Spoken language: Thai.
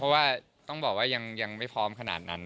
เพราะว่าต้องบอกว่ายังไม่พร้อมขนาดนั้น